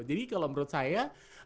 jadi kalau menurut saya